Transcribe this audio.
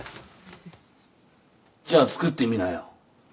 じゃあ作ってみなよ。